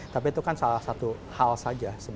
tapi itu kan salah satu hal saja